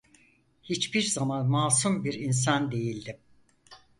Hiçbir zaman masum bir insan değildim.